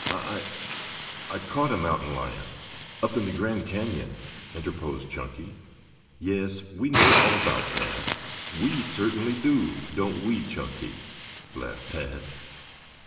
"I I caught a mountain lion up in the Grand Canyon," interposed Chunky. "Yes, we know all about that." "We certainly do, don't we, Chunky?" laughed Tad.